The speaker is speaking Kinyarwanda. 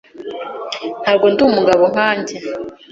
Ntabwo ndi umugabo nkanjye.